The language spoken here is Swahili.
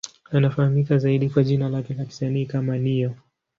Anafahamika zaidi kwa jina lake la kisanii kama Ne-Yo.